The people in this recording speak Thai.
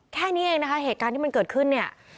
แค่นี้เองนะคะเหตุการณ์ที่มันเกิดขึ้นเนี่ย